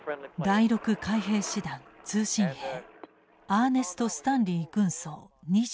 第６海兵師団通信兵アーネスト・スタンリー軍曹２５歳。